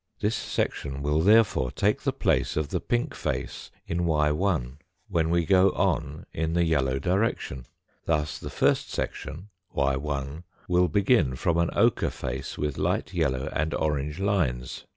This section will therefore take the place of the pink face 186 THE FOURTH DIMENSION in ^ when we go on in the yellow direction. Thus, the first section, y lt will begin from an ochre face with light yellow and orange lines.